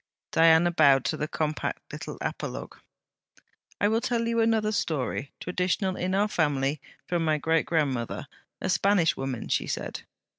Diana bowed to the compact little apologue. 'I will tell you another story, traditional in our family from my great grandmother, a Spanish woman,' she said.